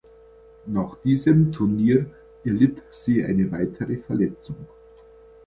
Nach diesem Turnier erlitt sie eine weitere Verletzung.